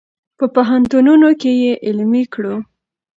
په پوهنتونونو کې یې علمي کړو.